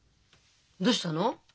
どうしたの？